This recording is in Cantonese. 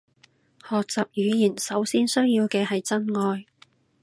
學習語言首先需要嘅係真愛